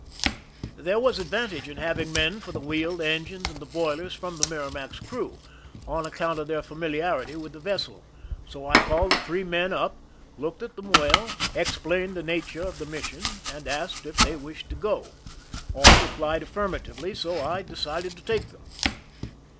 There was advantage in having men for the ^^heel, the engines, and the boilers from the Merrimac^s crew, on account of their famiharity with the vessel ; so I called the three men up, looked at them well, explained the nature of the mission, and asked if they wished to go. All replied affirm atively, so I decided to take them.